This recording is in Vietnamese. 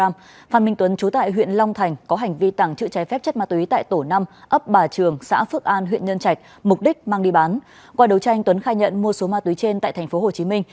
phan minh tuấn trú tại huyện long thành có hành vi tẳng chữ trái phép chất ma túy tại tổ năm ấp bà trường xã phước an huyện nhơn trạch mục đích mang đi bán